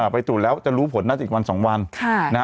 ไปตรวจแล้วจะรู้ผลน่าจะอีกวัน๒วัน